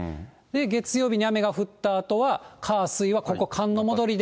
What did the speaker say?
月曜日に雨が降ったあとは、火、水はここ、寒の戻りで。